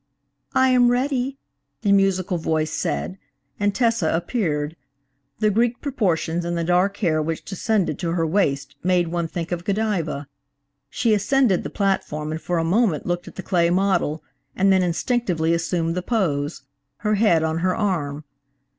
"I am ready," the musical voice said, and Tessa appeared. The Greek proportions, and the dark hair which descended to her waist made one think of Godiva. She ascended the platform and for a moment looked at the clay model, and then instinctively assumed the pose, her head on her arm.